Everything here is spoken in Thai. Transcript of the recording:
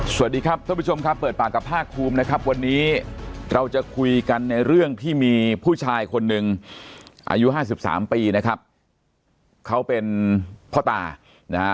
สวัสดีครับท่านผู้ชมครับเปิดปากกับภาคภูมินะครับวันนี้เราจะคุยกันในเรื่องที่มีผู้ชายคนหนึ่งอายุห้าสิบสามปีนะครับเขาเป็นพ่อตานะฮะ